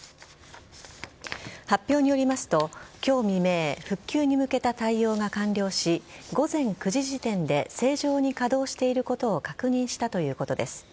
発表によりますと、今日未明復旧に向けた対応が完了し午前９時時点で正常に稼働していることを確認したということです。